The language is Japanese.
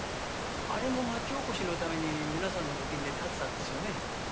あれも町おこしのために皆さんの募金で立てたんですよね？